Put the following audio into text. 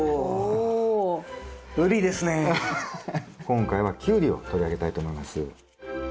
今回はキュウリを取り上げたいと思います。